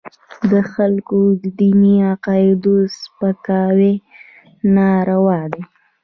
د خلکو د دیني عقایدو سپکاوي ناروا دی.